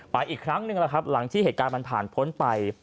อีกครั้งหนึ่งแล้วครับหลังที่เหตุการณ์มันผ่านพ้นไป